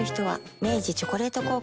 明治「チョコレート効果」